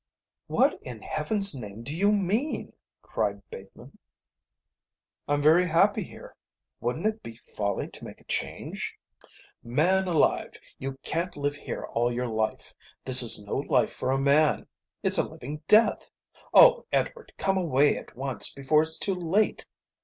"What in heaven's name do you mean?" cried Bateman. "I'm very happy here. Wouldn't it be folly to make a change?" "Man alive, you can't live here all your life. This is no life for a man. It's a living death. Oh, Edward, come away at once, before it's too late.